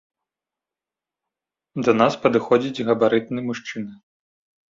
Да нас падыходзіць габарытны мужчына.